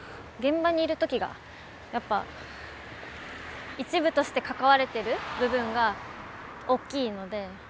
現場にいる時がやっぱ一部として関われている部分が大きいので。